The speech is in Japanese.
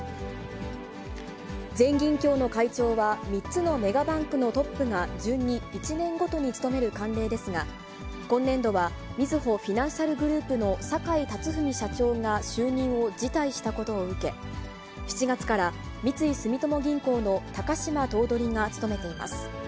全銀協の会長は、３つのメガバンクのトップが順に１年ごとに務める慣例ですが、今年度はみずほフィナンシャルグループの坂井辰史社長が就任を辞退したことを受け、７月から三井住友銀行の高島頭取が務めています。